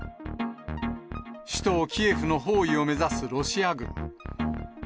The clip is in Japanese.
首都キエフの包囲を目指すロシア軍。